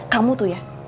kamu tuh ya